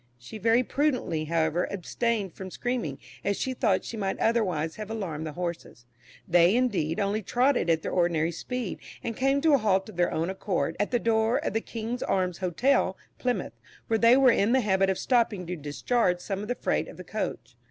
She very prudently, however, abstained from screaming, as she thought she might otherwise have alarmed the horses. They, indeed, only trotted at their ordinary speed, and came to a halt of their own accord at the door of the "King's Arms" Hotel, Plymouth, where they were in the habit of stopping to discharge some of the freight of the coach.